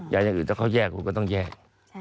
อย่างอื่นถ้าเขาแยกคุณก็ต้องแยก